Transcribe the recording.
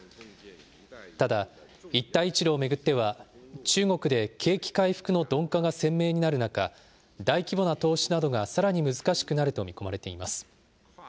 ただ、一帯一路を巡っては、中国で景気回復の鈍化が鮮明になる中、大規模な投資などがさらに難しくなると見込まれています。